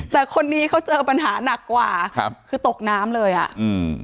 แต่คนนี้เขาเจอปัญหาหนักกว่าครับคือตกน้ำเลยอ่ะอืม